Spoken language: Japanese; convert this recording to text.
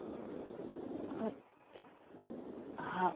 あっえっああ